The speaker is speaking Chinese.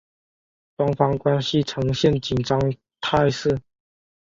双方关系呈现紧张态势。